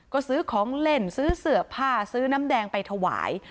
ก็ซื้อของเล่นซื้อเสื้อผ้าซื้อน้ำแดงไปถวาย